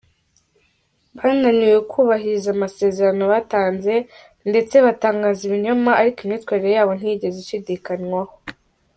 Bananiwe kubahiriza amasezerano batanze ndetse batangaza ibinyoma, ariko imyitwarire yabo ntiyigeze ishidikanywaho.